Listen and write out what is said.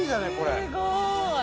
すごい！